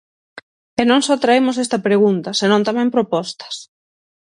E non só traemos esta pregunta, senón tamén propostas.